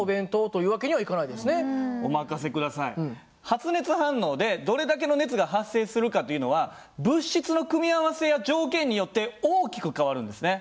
発熱反応でどれだけの熱が発生するかというのは物質の組み合わせや条件によって大きく変わるんですね。